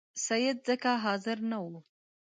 سید ځکه حاضر نه وو.